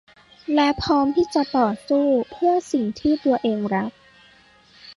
และพร้อมที่จะต่อสู้เพื่อสิ่งที่ตัวเองรัก